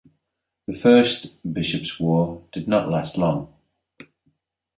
The First Bishops' War did not last long.